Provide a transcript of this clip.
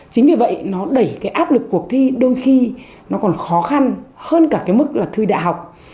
chính vì vậy nó đẩy cái áp lực cuộc thi đôi khi nó còn khó khăn hơn cả cái mức là thư đại học